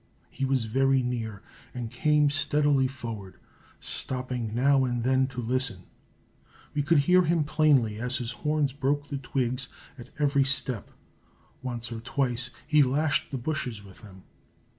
He was very near and came steadily forward, stopping now and then to listen. We could hear him plainly as his horns broke the twigs at every step once or twice he lashed the bushes with them.